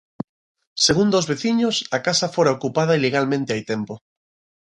Segundo os veciños, a casa fora ocupada ilegalmente hai tempo.